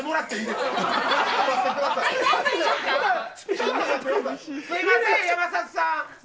すいません、山里さん。